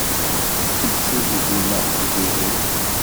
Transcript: Yettili dima ḥedd dihin.